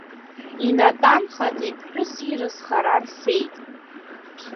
Инатәан хаҵеи ԥҳәыси рызхара рфеит.